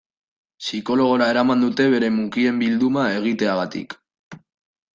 Psikologora eraman dute bere mukien bilduma egiteagatik.